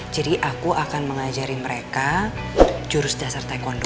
jadi aku akan mengajari mereka jurus dasar taekwondo